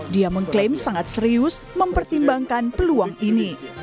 dia mengklaim sangat serius mempertimbangkan peluang ini